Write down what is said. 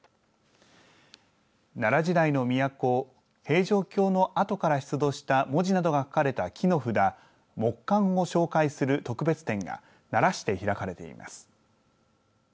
奈良時代の都平城京の跡から出土した文字などが書かれた木の札木簡を紹介する特別展が奈良市で開かれています。